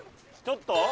ちょっと！